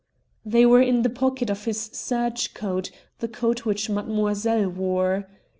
They were in the pocket of his serge coat, the coat which Mademoiselle wore.